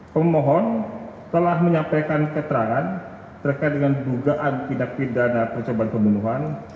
pemohon telah menyampaikan keterangan terkait dengan dugaan tindak pidana percobaan pembunuhan